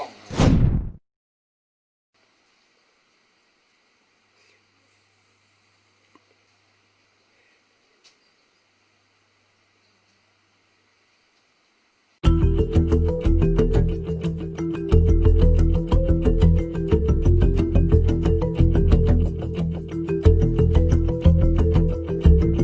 นักการการบีบีบและไร้สิ่งหลายอย่าง